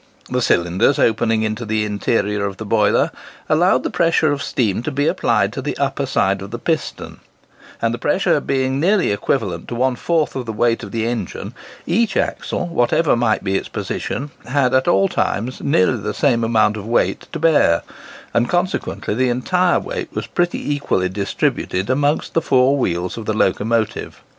The cylinders opening into the interior of the boiler, allowed the pressure of steam to be applied to the upper side of the piston; and the pressure being nearly equivalent to one fourth of the weight of the engine, each axle, whatever might be its position, had at all times nearly the same amount of weight to bear, and consequently the entire weight was pretty equally distributed amongst the four wheels of the locomotive.